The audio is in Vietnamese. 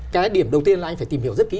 cái điểm đầu tiên là anh phải tìm hiểu rất kỹ